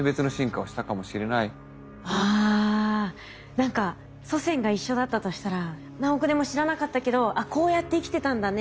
何か祖先が一緒だったとしたら何億年も知らなかったけど「あっこうやって生きてたんだね」